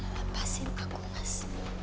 lepasin aku mas